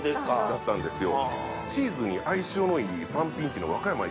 だったんですよ。